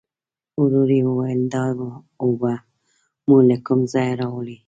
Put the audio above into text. ورو يې وویل: دا اوبه مو له کوم ځايه راوړې؟